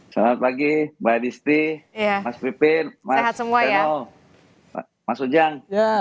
selamat pagi mbak distri mas pipin mas reno mas ujang